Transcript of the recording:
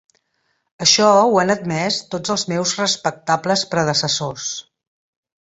Així ho han admès tots els meus respectables predecessors.